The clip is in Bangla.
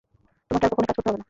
তোমাকে আর কখনোই কাজ করতে হবে না!